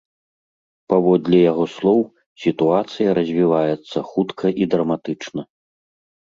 Паводле яго слоў, сітуацыя развіваецца хутка і драматычна.